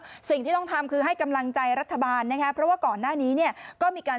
เกี๋ยวยอีกอับเพื่อต้องทำคื่อให้กำลังใจรัฐบาลนะครับเพราะว่าก่อนหน้านี้เนี่ยก็มีการ